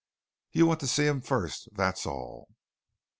You want to see him first, that's all."